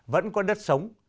vẫn có đất sống